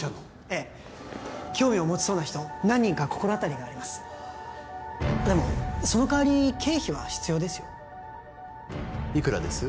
ええ興味を持ちそうな人何人か心当たりがありますでもその代わり経費は必要ですよいくらです？